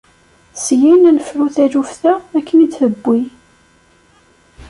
Syin ad nefru taluft-a akken i d-tewwi.